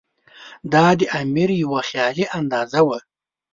دا د امیر یوه خیالي اندازه وه.